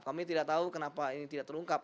kami tidak tahu kenapa ini tidak terungkap